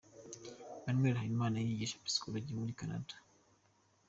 Emmanuel Habimana yigisha psychologie muri Canada.